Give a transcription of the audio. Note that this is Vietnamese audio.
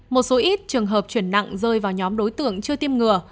một số ít trường hợp chuyển nặng rơi vào nhóm đối tượng chưa tiêm ngừa